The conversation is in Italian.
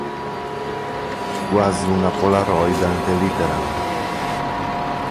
Quasi una polaroid ante litteram.